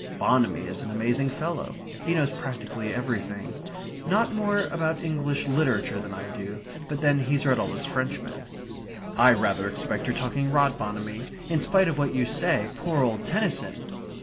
("Bonamy is an amazing fellow. He knows practically everything not more about English literature than I do but then he's read all those Frenchmen.") "I rather suspect you're talking rot, Bonamy. In spite of what you say, poor old Tennyson...."